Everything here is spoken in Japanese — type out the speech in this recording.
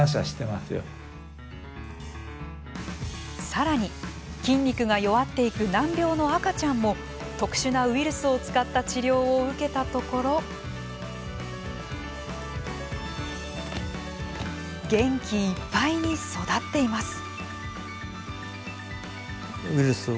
さらに、筋肉が弱っていく難病の赤ちゃんも特殊なウイルスを使った治療を受けたところ元気いっぱいに育っています。